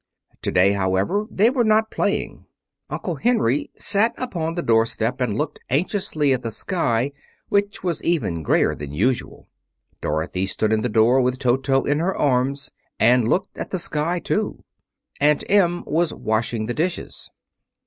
Today, however, they were not playing. Uncle Henry sat upon the doorstep and looked anxiously at the sky, which was even grayer than usual. Dorothy stood in the door with Toto in her arms, and looked at the sky too. Aunt Em was washing the dishes.